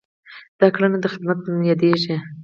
دا کړنه د خدمت په نوم یادیږي.